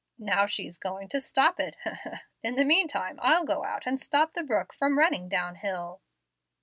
"Now she's going to 'stop' it, he he In the mean time I'll go out and stop the brook from running down hill."